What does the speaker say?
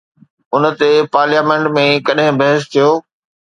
ان تي پارليامينٽ ۾ ڪڏهن بحث ٿيو؟